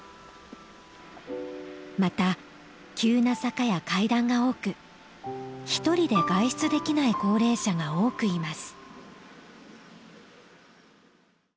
また急な坂や階段が多く一人で外出できない高齢者が多くいます。